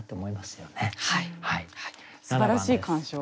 すばらしい鑑賞。